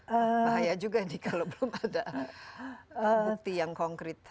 bahaya juga nih kalau belum ada bukti yang konkret